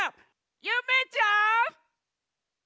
ゆめちゃん！